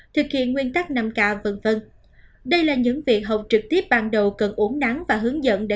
thực hiện nguyên tắc năm k v v đây là những vị học trực tiếp ban đầu cần uống nắng và hướng dẫn để